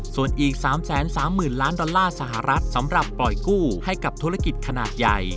ส่วนอีก๓๓๐๐๐ล้านดอลลาร์สหรัฐสำหรับปล่อยกู้ให้กับธุรกิจขนาดใหญ่